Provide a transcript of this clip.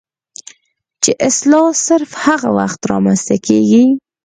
چې اصلاح صرف هغه وخت رامنځته کيږي